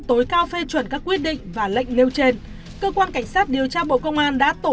tối cao phê chuẩn các quyết định và lệnh nêu trên cơ quan cảnh sát điều tra bộ công an đã tổ